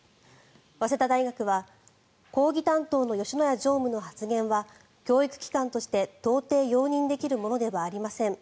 早稲田大学は講義担当の吉野家常務の発言は教育機関として到底容認できるものではありません。